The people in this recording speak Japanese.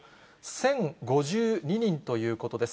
１０５２人ということです。